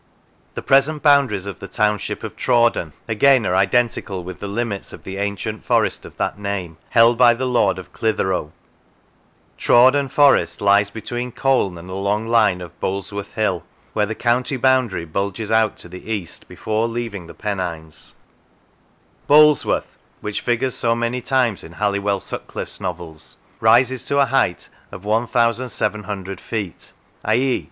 The present boundaries of the township of Traw den, again, are identical with the limits of the ancient forest of that name, held by the lord ofClitheroe. Trawden Forest lies between Colne and the long line of Boulsworth Hill, where the county boundary bulges out to the east before leaving the Pennines. 207 Lancashire Boulsworth, which figures so many times in Halliwell Sutcliffe's novels, rises to a height of 1,700 feet i.e.